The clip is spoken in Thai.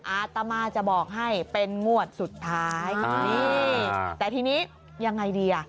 อาตมาจะบอกให้เป็นงวดสุดท้ายนี่แต่ทีนี้ยังไงดีอ่ะ